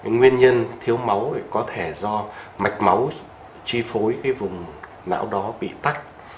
nguyên nhân thiếu máu có thể do mạch máu chi phối vùng não đó bị tắt